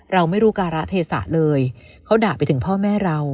เราไม่รู้การะเทศะเลยเขาด่าไปถึงพ่อแม่เรา